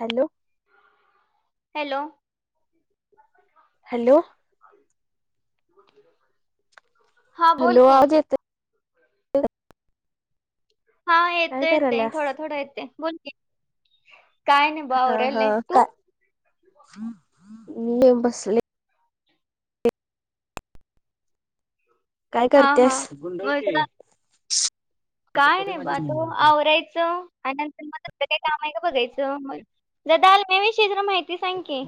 Hello hello hello हा बोल के तर हा येतो येते थोडं थोडा येते बोल की काय नाही बाओरल नाही तू न बसले काय हा हा करतेस मग गुंडळकी जरा काय नाही बा तो आवरायचं आणि नंतर मग काही काम आहे का बघायचं जर दालम्या विषय माहिती सांग की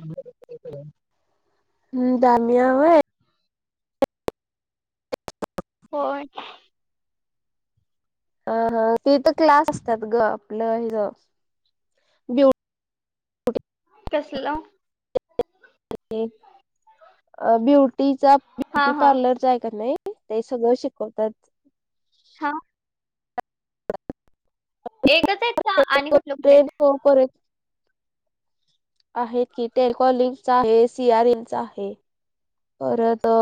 हम्म दमिया वय हो हा हा तेथ क्लास असतात ग आपलं ह ब्यु कसलं ब्युटीचा हा ब्युटी हा पार्लरचा आहे का नाही ते सगळं शिकवतात हा एकच आहेत का आणि कुठलं कुठलं ट्रेन आहेत परत आहेत की टेकॉलिग हे सियारनचा आहे. पर त.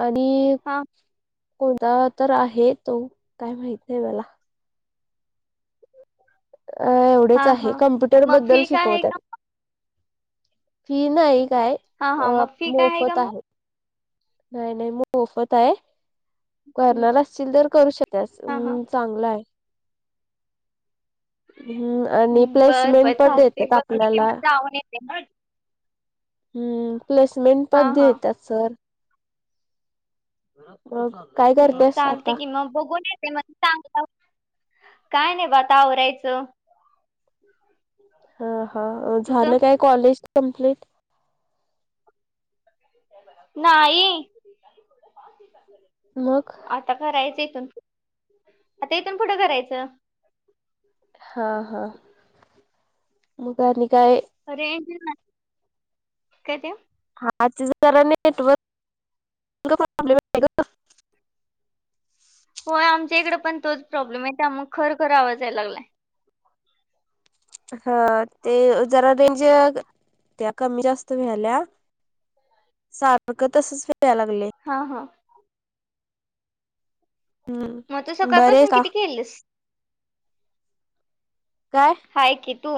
आणि हा कोणता तर आहे, तो काय माहित आहे मला. अ हा एवढेच आहे हा कमप्युटर मग बद्दल फी काय आहे शिकवत का फी नाही. काय हा हा मग फी काय का मोफत मग आहे. नाही नाही मग मोफत आहे. हम्म, करणार असतील तर, करू शकतास हा हा चांगलं आहे. हम्म आणि हम्म, बर बर प्लेसमेंट पण चालते देतात बघते की आपल्याला. मग जाऊन येते हम्म प्लेसमेंट हा पण हा देतात सर. बरोब [unintelligible] हम् चालते कि मग बघून येते म चांगलं. काय नाही बता आवरायचं. हा हा तुझं झालं काय कॉलेज कमप्लीट. नाही मग आता करायचं. आता इथून पुुठं करायचं. हा हा मग का काय. अरे काय ते. आजरा नेटवर्कबले [unintelligible] होय आमच्या इकडे पण तोच प्रॉब्लेम आहे त्यामुग खर खर आवाज यायला लागलाय. ह ते जरा रेंज त्या कमी जास्त व्याल्या सारखं तसच. व्हायला लागलय हा हा. मग त हम्म बरे सकाळपासून का किती केेलस. काय हाय की तू.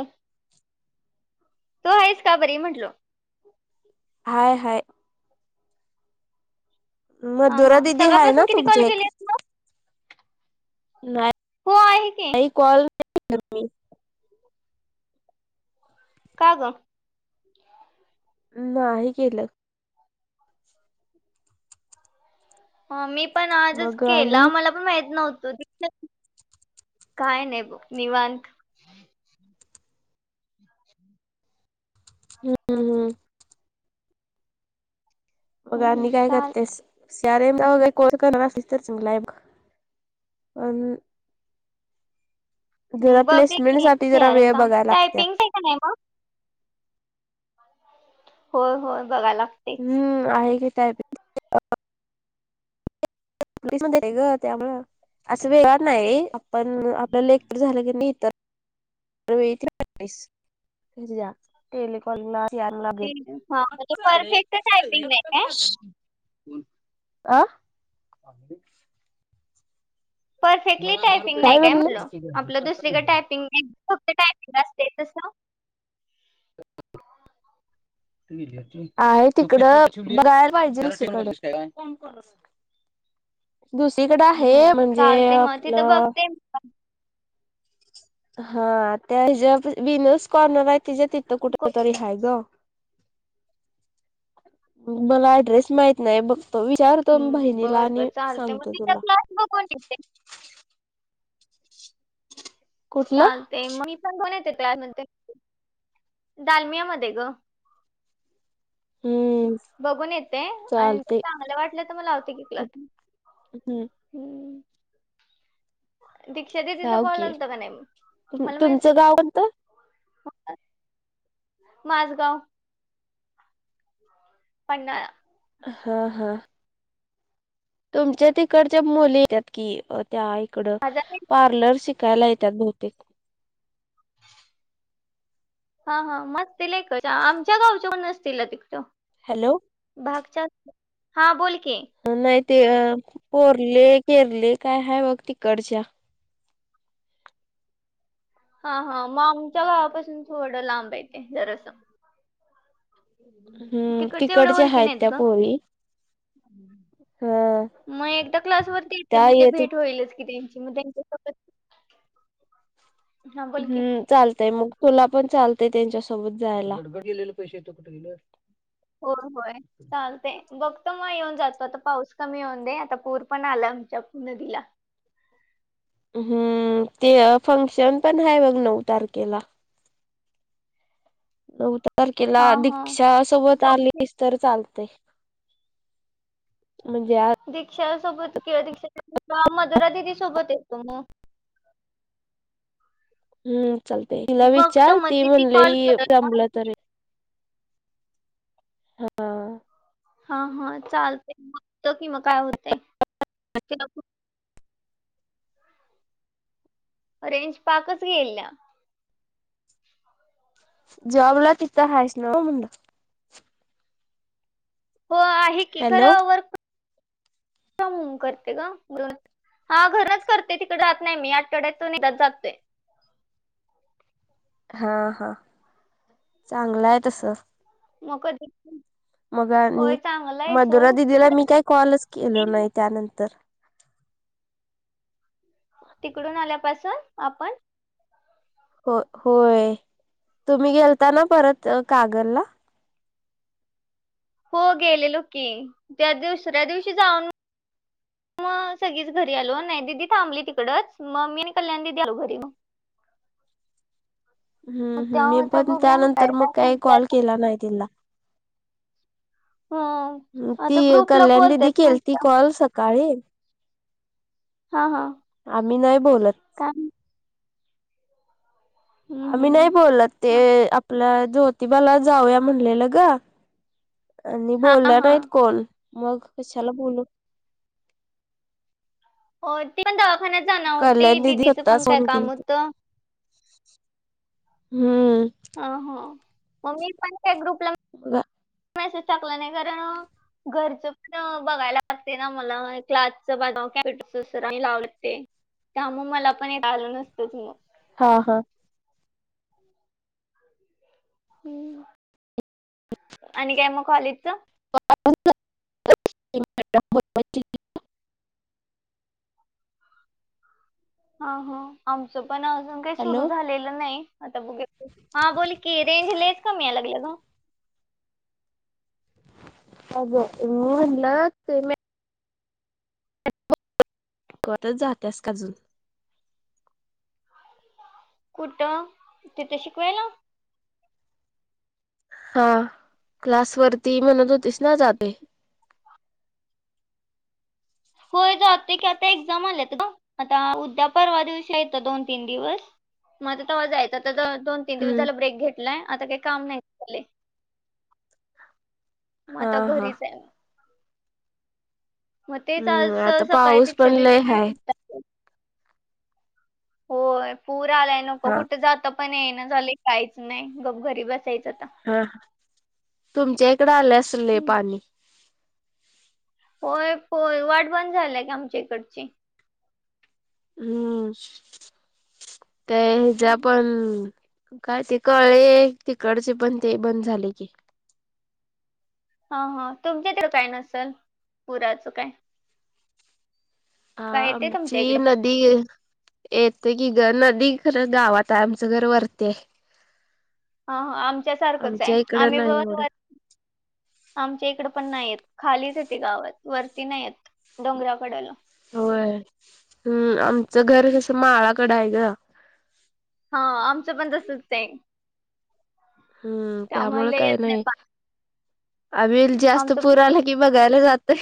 तू आहेस का बरी म्हंटलो. हय हय. हा मधुरा दिदी हा आहे ना सकाळपासून किती कॉल तुमच्या एक. केलेस मग नाही हो आहे की नाही कॉल [unintelligible] कागं. नाही केलं. मी पण आजच मग आणि केला मला पण माहित नव्हत. काय नाही निवांत. हम्म हम्म हम्म. मग हम्म, हम्म, आणि काय चाल करतेस. म कोस्तचलाय प [unintelligible] बघ प्लेसमेंट की साठी सी जरा आर एम वेळ बघायला लागत्या टायपिंग आहे का नाही मग. हो होय बघायला. हम्म आहे कताय [unintelligible] स ग त्यामु असं वे नाही, आपण आपल्या लेट झालं, की नाही तर. वस जा टकॉल [unintelligible] ते हा म्हणजे परफेक्ट ेल टायपिंग नाही काय [unintelligible] आं. परफेक्टली टायपिंग नाही काय म्हटलं, आपलं दुसरीकडे टायपिंग नाही. कते टायमिंग असते तस. [unintelligible] आहे तिकडं बघयला पाहिजे. दुसरीकडे आहे हम्म, म्हणजे चालते मग तिथं आपलं. बघते हा त्या हच्या बनस कॉर्नर आहे तिच्या तिथं कुठ को- तरी हा ग. मला ऍड्रेस माहित नाही बघ. तो विचारतो हम्म, बहिणीला बर बर आणि चालते मग सांगतो तिथं तुला. क्लास बघून येते कुठलं तालतय मग मी पण घेऊन येते त्यानाय त्या दालमिया मध्ये ग हम्म बघून येते आणि जर चालते चांगलं वाटलं तर मलावते की क्लास हम्म हम्म दिक्षा दिदिचा जाऊ कॉल की. आलता का नाही मग मला मेसेज तुमचं गाव कोणतं? माजगाव पन्हाळा हा हा तुमच्या तिकडच्या मुली येत्यात की त्या इकड हजार पार्लर शि कायला येत्यात बहुतेक हा हा म असतील्या इकडच्या आमच्या गावच्या कोण नसतील तिकड हॅलो हाक च्यात हा बोल की नाही ते अ पोरले केरले काय ह बघ तिकडच्या हा हा मग आमच्या गावापासून थोडं लांबेते जरास हम्म एवढं तिकडच्या ओळखी हाय नाहीत त्या ग पोरी ह म एकदा क्लास वरती येते त्या मग ते येत भेट होईलच की ती कि म तेंची तब्येत हम्म चालतय मग तुला पण चालत त्यांच्यासोबत जायला पैशे कुट गेल्यात हो होय चालतय बघतो मग येऊन जात पण आता पाऊस कमी होऊन दे आता पूर पण आला आमच्या नदीला हम्म ते फंक्शन पण हाय बघ नऊ तारखेला नवदा तारखेला हा हा दीक्षा सोबत आलीस तर चालतय आ दीक्षा सोबत किंवा दीक्षाच्या मदुरा दिदी सोबत येतो मग अ हम्म चालतय तिला विचार मग ती दिदी म्हणले कॉल करत जमलं तर हा हा हा चालतयत कि बगतो कि मग काय होतय रेंज पाकच गिल्या जॉबला तित हायस नव मनल हो आहे की खरं वर् ट ट हम्म करते का ब हा घरच करते तिकडे जात नाही मी आठवड्यातून एकदा जातेय ठ हा हा चांगलाय तस मकदि मग आणि मधुरा दिदीला मी काही कॉलच केलो नाही त्यानंतर तिकडून आल्यापासून आपण हो होय तुम्ही गेलता ना परत कागलला हो गेले लो की त्या दुसऱ्या दिवशी जाऊन [inaudible] मग सगळीच घरी आलो नाही दिदी थांबली तिकडच मग मी आणि कल्याण दिदी आलो घरी म [inaudible] हम्म हम् मी तेव्हा आता पण बघूया काय त्यानंतर मग काय काही कॉल म्हणतात. केला नाही तिला हम्म ती आता ग्रुपला कल्याण दिदी बोलतात केल ती म्हटलं कॉल सकाळी हा हा आम्ही नाय बोलत काम हम्म आमी नाय हम्म. बोलल ते आपल्या ज्योतिबाला जाऊया म्हणलेलं ग आणि हा बोलल्या हा नाहीत कोण मग कशाला बोलोल हो ते पण दवाखान्यात जाण होती दिदी दिदीचं स्वतःच पण काय फोन काम केलती होतं हम्म ह ह मग मी पच्या ग्रुप हो मेसेज टाकला नाही कारण घरचं पण बघायला लागते ना मला क्लासच बा कॅम्प्युटरच स लाव लागते त्यामुळेग मला पण चालू नसतच मग हा हा ह् आणि काय मग कॉलेजच [unintelligible] हा हा आमचं पण अजून काही सुरू हॅलो झालेलं नाही आता बघ हा बोल की रेंज लेस कमी या लागल ग अग मन लाख टच जाातस काजून कुठं तिथे शिकवायला हा क्लास वरती म्हणत होतीस ना जाते [inaudible] होय जात की आता एक्झाम आल्या आता उद्या परवा दिवशी येतं दोन तीन दिवस मग त जायचं आ दोन तीन दिवस हम्म. झाला ब्रेक घेतलाय आता काही काम नाही झाले मग हा आता हा घरीच आहे मग तेच आज हम्म आता सकाळी पाऊस दीक्षा पण दे लय हाय नाहीटत होय पूर आलाय नको हा कुठे जात पण ये ना झालं काहीच नाही घरी बसायचं आता हा तुमच्या इकडं आले असले हम्म. पाणी होय होय वाट बंद झालीय का आमच्या इकडची हम्म ते ह जे पण काय ते कळे तिकडचे पण ते बंद झाले की हा हा तुमच्या तर काय नसेल पुराचं काय हा काय येते तुमच्या आमची इकडे नदी येत कि ग नदी खरं गावात आहे आमचं घर वरतेय हा आमच्या सारखंच आहे आम्ही नाही बरो एवढं आमच्या इकड पण नाहीयेत खालीच येते गावात वरती नाही आहेत होय हम्म आम च घर जस माळाकड आहे ग हा आमचं पण तसच त्या हम्म आम्हाला येत नाही प अमिल जास्त पुराला कि बघायला जातय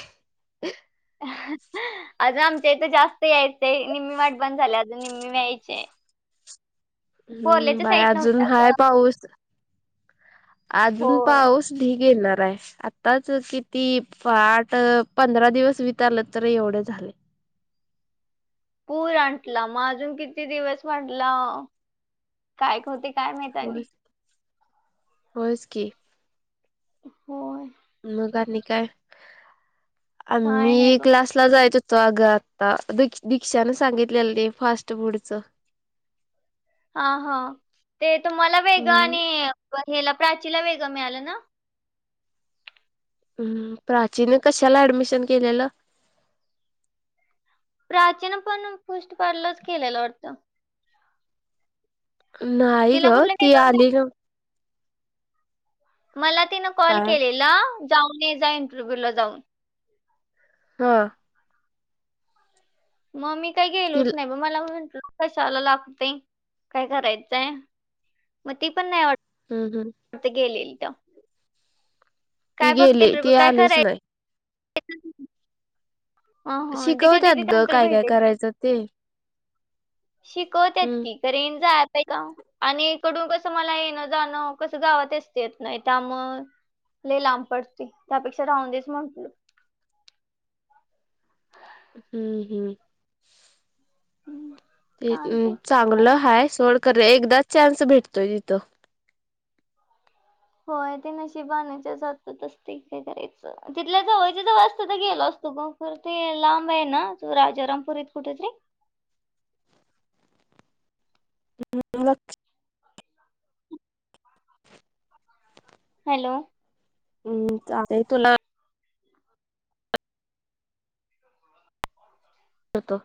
आजम तर जास्त यायच निम्मी वाट बंद झाल्या अजून निम्मी व्यायचे हम्म पोरल्याच्या बाय साईड अजून नव्हता ग हाय पाऊस. अजून पाऊस ढीघ येणार य आताच किती आठ पंधरा दिवस विचारलं तर एवढे झाले [inaudible] पूर आणला मग अजून किती दिवस वाटला कायते काय माहता होॉयस्की हो म काय आ काय मी नाही बघ क्लासला जायचो ग आता द दीक्षा न सांगितलेलं फास्ट फूडच हा हा ते तुम्हाला वेगं हम्म आणि पण हला प्राचीला वेगळं मिळालं ना हम् प्राचीन कशाला ऍडमिशन केलेलं प्राचीन पण पुष्ठपाडलंच केलेलं होतं नाही तिला ग कुठलं ती वेगळं नाही. आली ग गरज. मला तिनं कॉल काय केलेला जाऊन जा इंटरव्ह्यू ला जाऊन हा मग मी काही ती गेलोच नाही म मला म्ह त कशाला लागतय काय करायचंय मग ती पण नाही वाट हम्म हम्म वातगलेलट ती गेली ती आलीच नाही करायचं दिदी दिदी शिकवतत ग त्यानंतर काय काय करायचं ते शिकवत आहेत हम्म की करेन ज का आणि इकडून कसं मला येणं जाणं कसं गावात असत येत नाही त्या मग ले लांब पडते त्यापेक्षा राहून देच म्हटल हम्म हम्म हम् ते चांगलं ह सड कर एकदा चान्स भेटतोय तिथं होय ते नशीबनायच्या जात असते काय करायचं तिथल्या जवळच वाजत तर गेल असतो तगपूर ते लांब आहे ना तू राजारामपूर इत कुठेतरी [inaudible] हम् लक्ष [inaudible] हॅलो हम्म तुला जतो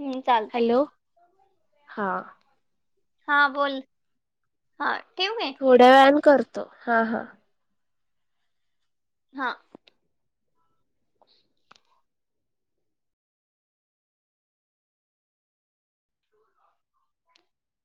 हम्म चालतय हॅलो हा हा बोल हा ठेवू काय थोड्या वेळ करतो हा हा हा